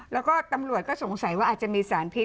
แล้วก็ตำรวจก็สงสัยว่าอาจจะมีสารพิษ